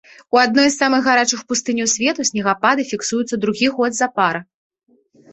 У адной з самых гарачых пустыняў свету снегапады фіксуюцца другі год запар.